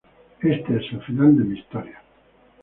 Este es el final de mi historia.